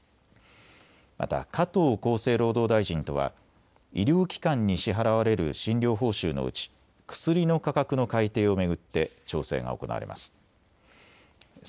また加藤厚生労働大臣とは医療機関に支払われる診療報酬のうち薬の価格の改定を巡って調整が行われます。